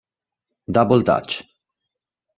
Double Dutch